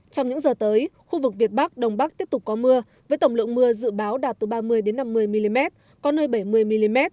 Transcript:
trong những giờ tới khu vực việt bắc đông bắc tiếp tục có mưa với tổng lượng mưa dự báo đạt từ ba mươi năm mươi mm có nơi bảy mươi mm